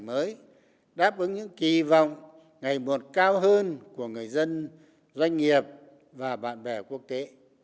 trong bối cảnh mới đáp ứng những kỳ vọng ngày một cao hơn của người dân doanh nghiệp và bạn bè quốc tế